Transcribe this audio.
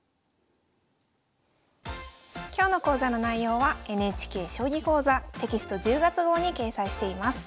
今日の講座の内容はＮＨＫ「将棋講座」テキスト１０月号に掲載しています。